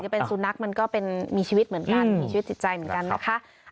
เป็นสุนัขมันก็เป็นมีชีวิตเหมือนกันมีชีวิตจิตใจเหมือนกันนะคะ